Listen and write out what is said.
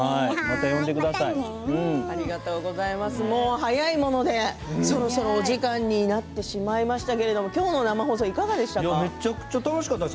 早いものでそろそろお時間になってしまいましたけれども今日の生放送めちゃくちゃうれしかったです。